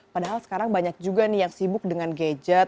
padahal sekarang banyak juga nih yang sibuk dengan gadget